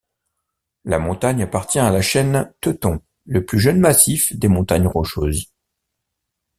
La montagne appartient à la chaîne Teton, le plus jeune massif des montagnes Rocheuses.